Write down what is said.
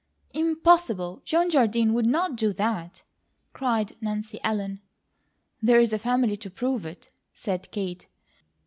"Impossible! John Jardine would not do that!" cried Nancy Ellen. "There's a family to prove it," said Kate.